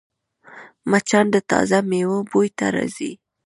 مچان د تازه میوو بوی ته راځي